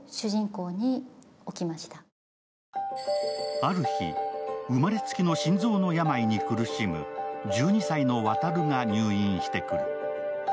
ある日、生まれつきの心臓の病に苦しむ１２歳の航が入院してくる。